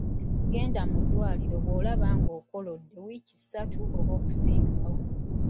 Genda mu ddwaliro bw’olaba ng’okololedde wiiki ssatu oba okusingawo.